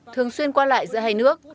thường xuyên qua lại giữa hai nước